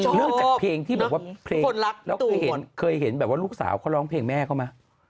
เรื่องจากเพลงที่แบบว่าเพลงรักแล้วเคยเห็นแบบว่าลูกสาวเขาร้องเพลงแม่เขาไหม